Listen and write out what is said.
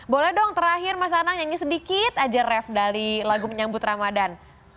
boleh dong terakhir mas anang nyanyi sedikit aja ref dari lagu menyambut ramadan